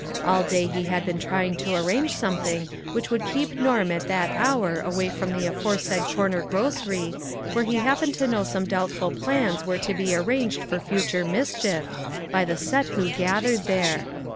All day he had been trying to arrange something which would keep Norm at that hour away from the aforesaid corner grocery, where he happened to know some doubtful plans were to be arranged for future mischief, by the set who gathered there.